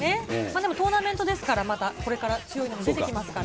でもトーナメントですから、まだこれから強いのも出てきますから。